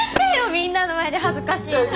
みんなの前で恥ずかしいな！